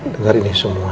dengar ini semua